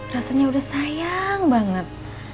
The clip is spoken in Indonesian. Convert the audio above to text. rasanya udah sayang banget